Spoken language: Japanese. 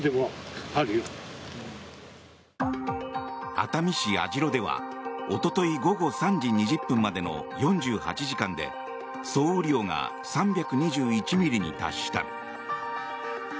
熱海市網代ではおととい午後３時２０分までの４８時間で総雨量が３２１ミリに達した。